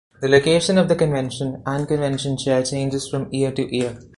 The location of the convention and convention chair changes from year to year.